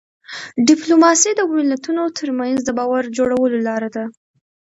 ډيپلوماسي د ملتونو ترمنځ د باور جوړولو لار وه.